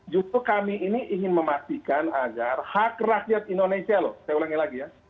justru kami ini ingin memastikan agar hak rakyat indonesia loh saya ulangi lagi ya